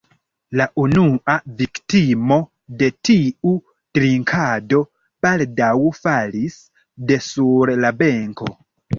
La unua viktimo de tiu drinkado baldaŭ falis de sur la benko.